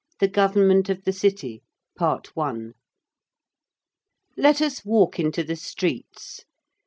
60. THE GOVERNMENT OF THE CITY. PART I. Let us walk into the streets.